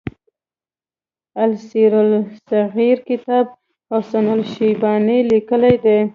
السير الصغير کتاب حسن الشيباني ليکی دی.